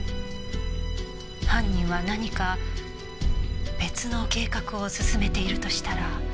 犯人は何か別の計画を進めているとしたら。